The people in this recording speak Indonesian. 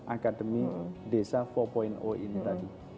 akademi desa empat ini tadi